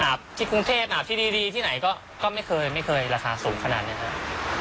ที่กรุงเทพอาบที่ดีที่ไหนก็ไม่เคยไม่เคยราคาสูงขนาดนี้ครับ